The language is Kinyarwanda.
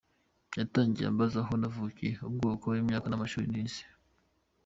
Yatangiye ambaza aho navukiye, ubwoko, imyaka n’amashuri nize.